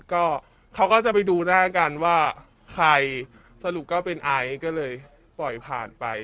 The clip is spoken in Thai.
ก็เขาก็จะไปดูหน้ากันว่าใครสรุปก็เป็นไอซ์ก็เลยปล่อยผ่านไป